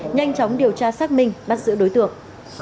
nhanh chóng điều tra xác minh bắt giữ đối tượng